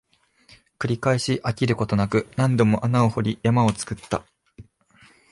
繰り返し、飽きることなく、何度も穴を掘り、山を作った